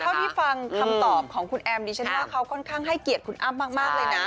เท่าที่ฟังคำตอบของคุณแอมดิฉันว่าเขาค่อนข้างให้เกียรติคุณอ้ำมากเลยนะ